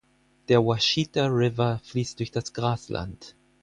Der Washita River fließt durch das Grasland.